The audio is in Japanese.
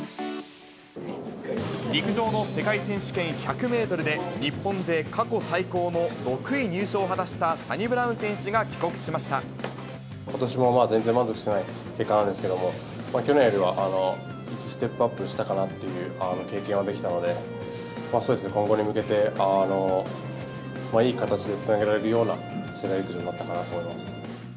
陸上の世界選手権１００メートルで、日本勢過去最高の６位入賞を果たした、サニブラウン選手ことしも全然満足してない結果なんですけども、去年よりはステップアップしたかなという経験はできたので、今後に向けて、いい形でつなげられるような世界陸上になったかなと思います。